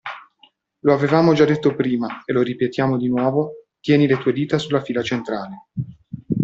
Lo avevamo già detto prima, e lo ripetiamo di nuovo, tieni le tue dita sulla fila centrale.